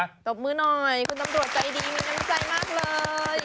ตบมือหน่อยคุณตำรวจใจดีมีน้ำใจมากเลย